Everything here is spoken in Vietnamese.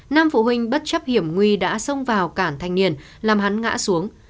nam phụ huynh bất chấp hiểm nguy đã xông vào cản thanh niên làm hắn ngã xuống